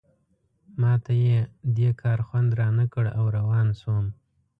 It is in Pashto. ما ته یې دې کار خوند رانه کړ او روان شوم.